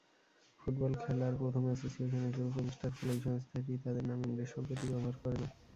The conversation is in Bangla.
ফুটবল খেলার প্রথম অ্যাসোসিয়েশন হিসেবে প্রতিষ্ঠার ফলে এই সংস্থাটি তাদের নামে "ইংরেজ" শব্দটি ব্যবহার করে না।